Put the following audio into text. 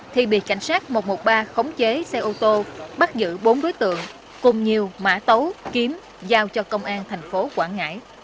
thì bị cảnh sát một trăm một mươi ba khống chế xe ô tô bắt giữ bốn đối tượng cùng nhiều mã tấu kiếm giao cho công an thành phố quảng ngãi